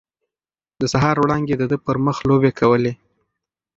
د سهار وړانګې د ده پر مخ لوبې کولې.